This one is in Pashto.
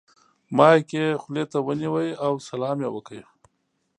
مایک یې خولې ته ونیو او سلام یې وکړ.